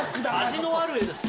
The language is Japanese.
味のある絵です。